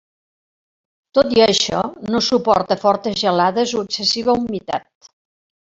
Tot i això, no suporta fortes gelades o excessiva humitat.